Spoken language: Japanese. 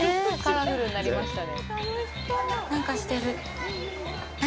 何かしてる。